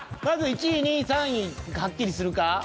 まず１位２位３位はっきりするか？